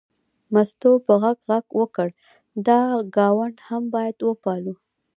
مستو په غږ غږ وکړ دا ګاونډ هم باید وپالو.